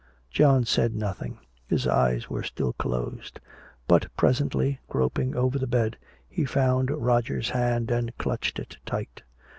John said nothing. His eyes were still closed. But presently, groping over the bed, he found Roger's hand and clutched it tight.